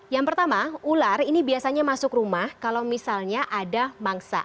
yang pertama ular ini biasanya masuk rumah kalau misalnya ada mangsa